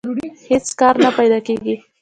هېڅ کار نه پیدا کېږي